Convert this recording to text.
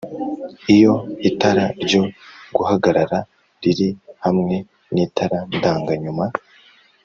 Iyo itara ryo guhagarara riri hamwe n'itara ndanga-nyuma